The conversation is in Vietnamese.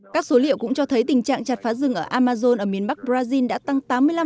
các số liệu cũng cho thấy tình trạng chặt phá rừng ở amazon ở miền bắc brazil đã tăng tám mươi năm